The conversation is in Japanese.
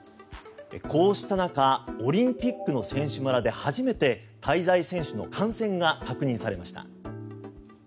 こうした中オリンピックの選手村で初めて滞在選手の感染が確認されました。